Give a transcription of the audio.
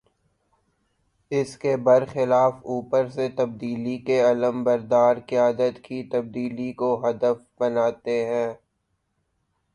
اس کے بر خلاف اوپر سے تبدیلی کے علم بردار قیادت کی تبدیلی کو ہدف بناتے ہیں۔